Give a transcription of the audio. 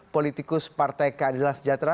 politikus partai keadilan sejahtera